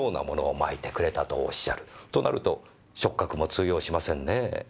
となると触覚も通用しませんねぇ。